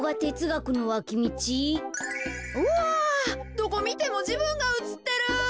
どこみてもじぶんがうつってる。